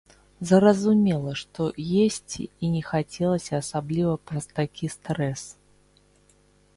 Зразумела, што есці і не хацелася асабліва праз такі стрэс.